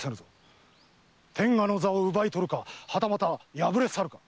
天下の座を奪い取るかはたまた破れ去るか。